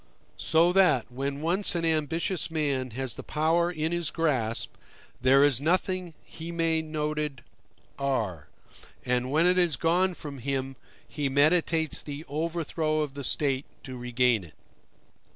So that, when once an ambitious man has the power in his grasp, there is nothing he may noted are; and when it is gone from him, he meditates the overthrow of the State to regain it.